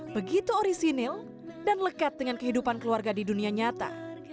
begitu orisinil dan lekat dengan kehidupan keluarga di dunia nyata